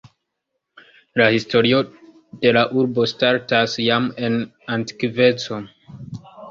La historio de la urbo startas jam en antikveco.